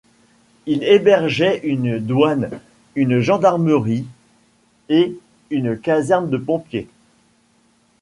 Il hébergeait une douane, une gendarmerie et une caserne de pompiers.